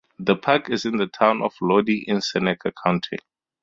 The park is in the Town of Lodi in Seneca County.